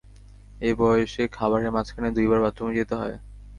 এই বয়সেই খাবারের মাঝখানে দুইবার বাথরুমে যেতে হয়?